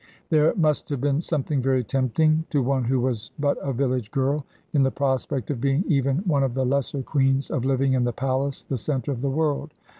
There must have been something very tempting, to one who was but a village girl, in the prospect of being even one of the lesser queens, of living in the palace, the centre of the world.